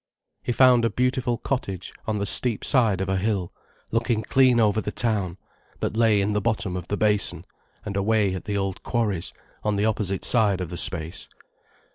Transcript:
He found a beautiful cottage on the steep side of a hill, looking clean over the town, that lay in the bottom of the basin, and away at the old quarries on the opposite side of the space.